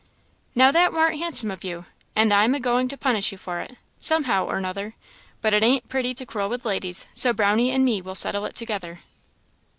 "Now that warn't handsome of you and I'm agoing to punish you for it, somehow or 'nother; but it ain't pretty to quarrel with ladies, so Brownie and me'll settle it together.